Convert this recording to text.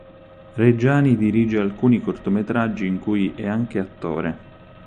Reggiani dirige alcuni cortometraggi in cui è anche attore.